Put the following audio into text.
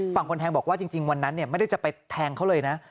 ฝั่งคนแทงบอกว่าจริงวันนั้นไม่ได้จะไปแทงเขาเลยนะ